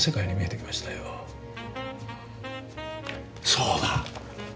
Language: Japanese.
そうだ！